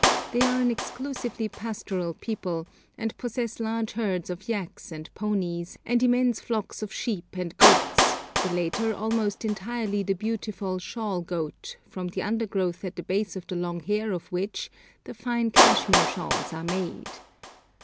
They are an exclusively pastoral people, and possess large herds of yaks and ponies and immense flocks of sheep and goats, the latter almost entirely the beautiful 'shawl goat,' from the undergrowth at the base of the long hair of which the fine Kashmir shawls are made.